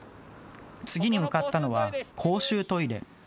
次に向かったのは公衆トイレ。